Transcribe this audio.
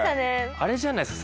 あれじゃないですか？